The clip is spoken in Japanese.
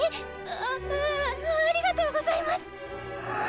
あああありがとうございます！